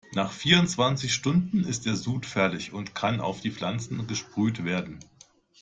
Nach vierundzwanzig Stunden ist der Sud fertig und kann auf die Pflanzen gesprüht werden.